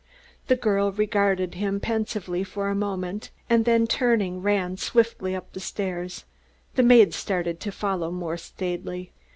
The girl regarded him pensively for a moment, then turning ran swiftly up the stairs. The maid started to follow more staidly.